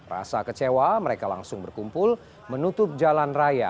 rasa kecewa mereka langsung berkumpul menutup jalan raya